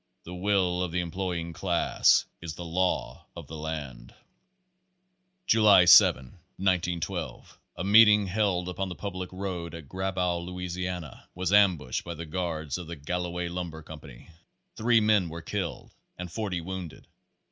The will of the employ ing class is the law of the land. July 7, 1912, a meeting held upon the public road at Grabow, Louisiana, was ambushed by the guards of the Galloway Lumber Company. Three men were killed and forty wounded.